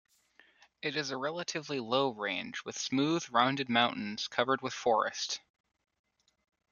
It is a relatively low range, with smooth, rounded mountains covered with forest.